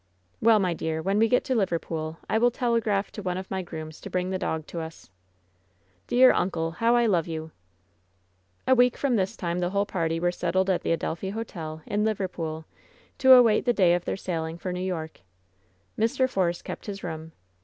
"Well, my dear, when we get to Liverpool, I will tele graph to one of my grooms to bring the dog to us." "Dear uncle! how I love you!" A week from this time the whole party were settled at the Adelphi Hotel, in Liverpool, to await the day of their sailing for New York. Mr. Force kept his room.